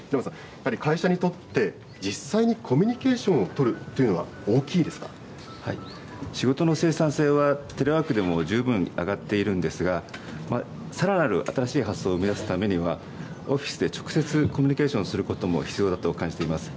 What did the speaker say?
やっぱり会社にとって、実際にコミュニケーションを取るとい仕事の生産性は、テレワークでも十分上がっているんですが、さらなる新しい発想を生み出すためには、オフィスで直接、コミュニケーションすることも必要だと感じています。